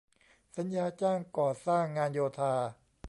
สัญญาจ้างก่อสร้างงานโยธา